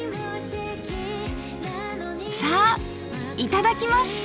さあいただきます！